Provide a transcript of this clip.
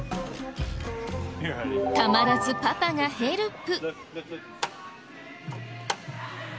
たまらずパパがヘルプ。